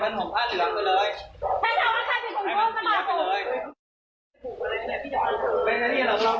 แรงงี้ลองรอมอย่าไปอันนี้เลยนะ